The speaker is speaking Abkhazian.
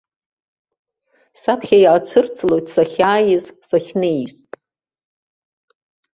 Саԥхьа иаацәырҵлоит сахьааиз, сахьнеиз.